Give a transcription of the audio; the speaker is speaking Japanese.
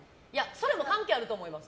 それも関係あると思います。